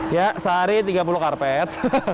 ya sehari tiga puluh karpet